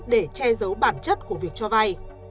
để che giấu bản chất của việc cho vay